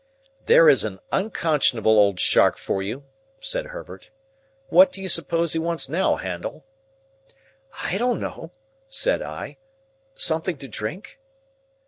"There is an unconscionable old shark for you!" said Herbert. "What do you suppose he wants now, Handel?" "I don't know," said I. "Something to drink?"